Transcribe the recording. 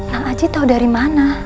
kang aji tahu dari mana